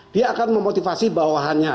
dia akan memotivasi bawahannya